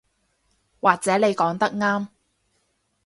或者你講得啱